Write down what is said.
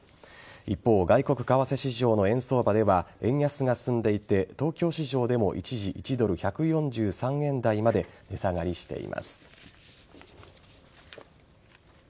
一方、外国為替市場の円相場では円安が進んでいて東京市場でも一時１ドル１４３円台まで値下がりしています。